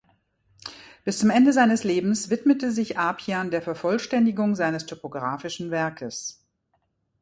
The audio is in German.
Bis zum Ende seines Lebens widmete sich Apian der Vervollständigung seines topografischen Werkes.